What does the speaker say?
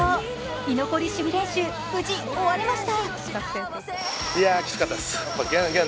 居残り守備練習、無事、終われました。